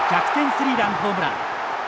スリーランホームラン。